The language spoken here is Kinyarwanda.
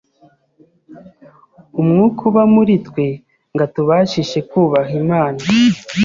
Umwuka uba muri twe ngo atubashishe kwubaha Imana